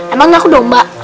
emang aku domba